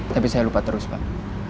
tapi saya lupa terus pak